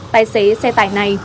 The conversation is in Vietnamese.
tài xế xe tải này